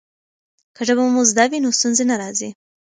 که ژبه مو زده وي نو ستونزې نه راځي.